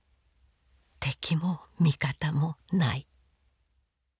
敵も味方もない。